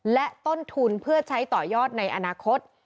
และต้นทุนเพื่อใช้ต่อยอดในอนาคต